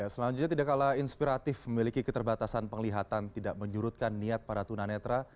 selanjutnya tidak kalah inspiratif memiliki keterbatasan penglihatan tidak menyurutkan niat para tunanetra